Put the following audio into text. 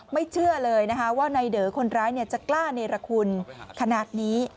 ไม่เชื่อเลยว่านายเดอร์คนร้ายจะกล้าในละคุณขนาดนี้